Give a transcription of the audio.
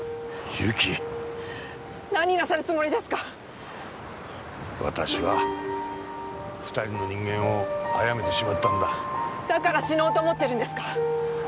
友紀何なさるつもりですか⁉私は２人の人間をあやめてしまったんだだから死のうと思ってるんですか？